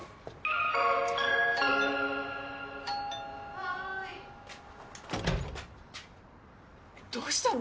はい・どうしたの？